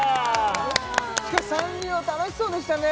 しかしサンリオ楽しそうでしたね